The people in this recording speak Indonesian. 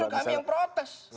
justru kami yang protes